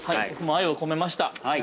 ◆愛を込めました。